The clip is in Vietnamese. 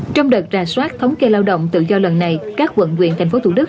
trong đợt rà soát thống kê lao động tự do lần này các quận huyện tp thủ đức